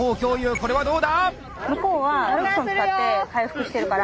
これはどうだ